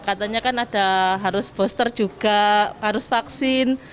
katanya kan ada harus booster juga harus vaksin